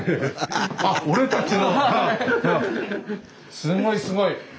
すごいすごい。